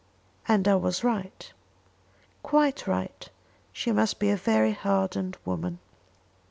"And I was right." "Quite right. She must be a very hardened woman."